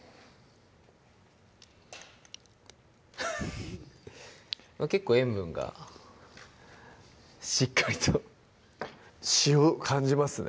フッ結構塩分がしっかりと塩感じますね